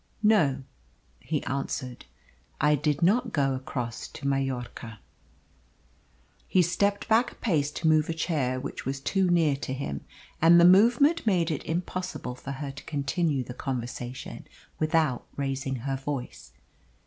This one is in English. "No," he answered, "I did not go across to Mallorca." He stepped back a pace to move a chair which was too near to him, and the movement made it impossible for her to continue the conversation without raising her voice.